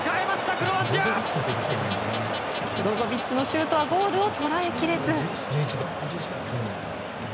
ブロゾビッチのシュートはゴールを捉えきれず。